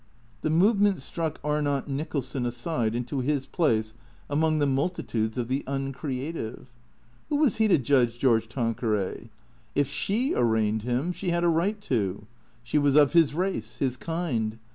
The movement struck Arnott Nicholson aside into his place among the multitudes of the uncreative. Who was he to judge George Tanqueray? If slie arraigned him she had a right to. She was of his race, his kind.